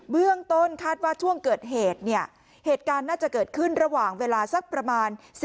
เบื้องต้นคาดว่าช่วงเกิดเหตุเนี่ยเหตุการณ์น่าจะเกิดขึ้นระหว่างเวลาสักประมาณ